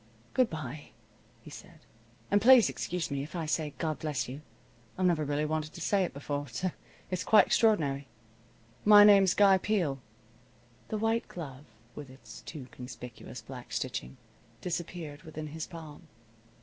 "Good bye," he said, "and please excuse me if I say God bless you. I've never really wanted to say it before, so it's quite extraordinary. My name's Guy Peel." The white glove, with its too conspicuous black stitching, disappeared within his palm.